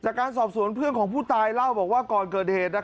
การสอบสวนเพื่อนของผู้ตายเล่าบอกว่าก่อนเกิดเหตุ